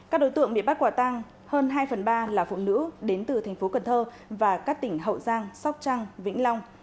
các đối tượng bị bắt quả tăng hơn hai phần ba là phụ nữ đến từ thành phố cần thơ và các tỉnh hậu giang sóc trăng vĩnh long